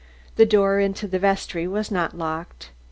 The door into the vestry was not locked.